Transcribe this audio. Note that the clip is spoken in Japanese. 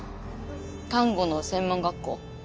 看護の専門学校。